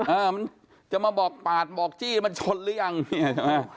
เออมันจะมาบอกปาดบอกจี้มันชนหรือยังเนี่ยใช่ไหม